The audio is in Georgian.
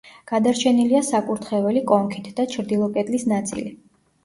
გადარჩენილია საკურთხეველი კონქით და ჩრდილო კედლის ნაწილი.